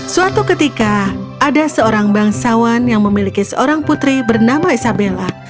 suatu ketika ada seorang bangsawan yang memiliki seorang putri bernama isabella